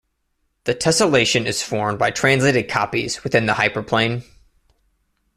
The tessellation is formed by translated copies within the hyperplane.